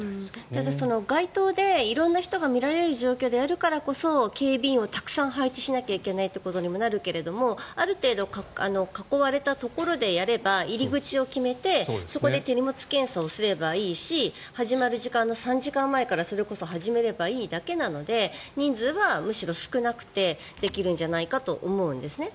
ただ街頭で色んな人が見られる状況でやるからこそ警備員をたくさん配置しないといけないということにもなるけれどもある程度囲われたところでやれば入り口を決めてそこで手荷物検査をすればいいし始まる時間の３時間前からそれこそ始めればいいだけなので人数はむしろ少なくてできるんじゃないかと思うんです。